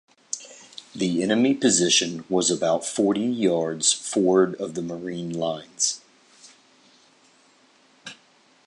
The enemy position was about forty yards forward of the Marine lines.